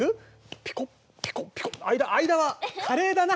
ピコピコピコ間間はカレーだな！